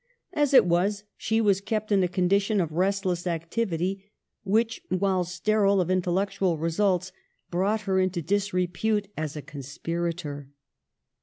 As it was, she was kept in a condition of restless activity which, while sterile of intellectual results, brought her into disrepute as a conspirator.